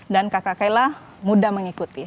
dan kakak kayla mudah mengikuti